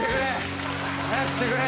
早くしてくれ。